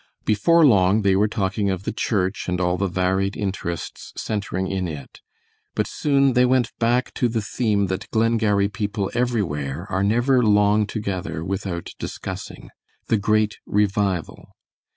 Before long they were talking of the church and all the varied interests centering in it, but soon they went back to the theme that Glengarry people everywhere are never long together without discussing the great revival.